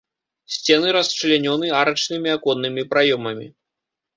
Сцены расчлянёны арачнымі аконнымі праёмамі.